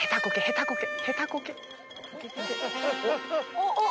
おっ！